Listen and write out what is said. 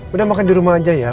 benar makan di rumah aja ya